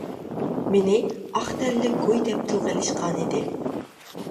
مېنى «ئاق تەنلىك گۇي» دەپ تىلغا ئېلىشقان ئىدى.